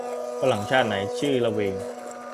ฝรั่งชาติไหนชื่อละเวง